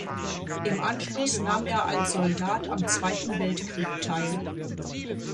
Im Anschluss nahm er als Soldat am Zweiten Weltkrieg teil.